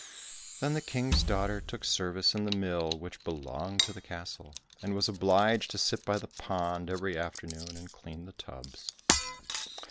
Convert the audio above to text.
Then the King's daughter took service in the mill which belonged to the castle, and was obliged to sit by the pond every afternoon and clean the tubs.